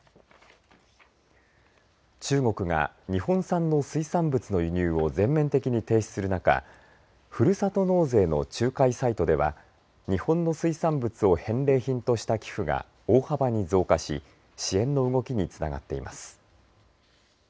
中国が日本産の水産物の輸入を全面的に停止する中ふるさと納税の仲介サイトでは日本の水産物を返礼品とした寄付が大幅に増加し支援の動きにつながっています。